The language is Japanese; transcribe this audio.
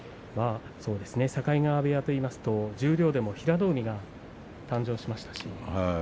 境川部屋といいますと十両の平戸海が誕生しましたし。